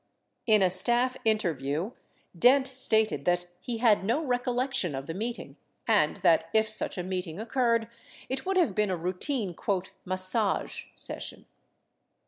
94 In a staff interview, Dent stated that he had no recollection of the meeting and that if such a meeting oc curred it would have been a routine "massage" session.